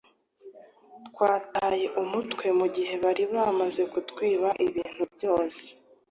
twataye umutwe mugihe bari bamaze kutwiba ibintu byose